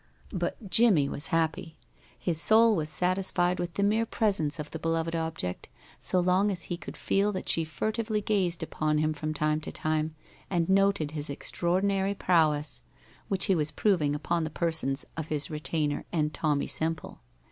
But Jimmie was happy. His soul was satisfied with the mere presence of the beloved object so long as he could feel that she furtively gazed upon him from time to time and noted his extraordinary prowess, which he was proving upon the persons of his retainer and Tommie Semple.